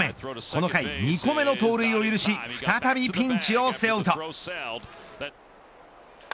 この回２個目の盗塁を許し再びピンチを背負うと。